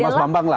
mas bambang lah